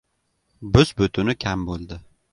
Bus-butuni kam bo‘ldi.